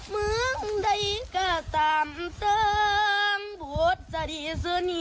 เมืองใดก็ตามตอน